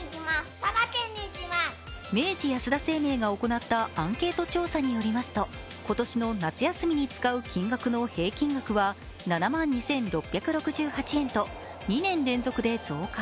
明治安田生命が行ったアンケート調査によりますと、今年の夏休みに使う金額の平均額は７万２６６８円と２年連続で増加。